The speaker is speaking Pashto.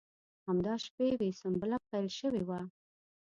همدا شپې وې سنبله پیل شوې وه.